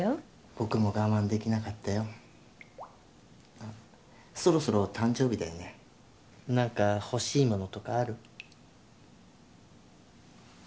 僕も我慢できなかったよあっそろそろ誕生日だよねなんか欲しいものとかある？